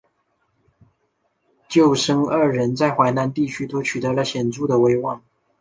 舅甥二人在淮南地区都取得了显着的威望。